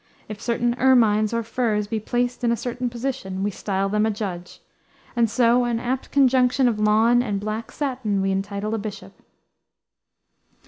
... If certain ermines or furs be placed in a certain position, we style them a judge; and so an apt conjunction of lawn and black satin we entitle a bishop."